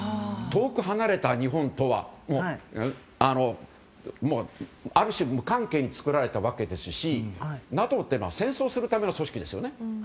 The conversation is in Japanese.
遠く離れた日本とはもうある種無関係に作られたわけですしＮＡＴＯっていうのは戦争するための組織ですよね。